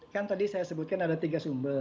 kan tadi saya sebutkan ada tiga sumber